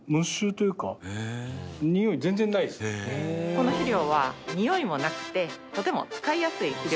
この肥料はにおいもなくてとても使いやすい肥料になっております。